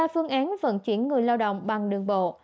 ba phương án vận chuyển người lao động bằng đường bộ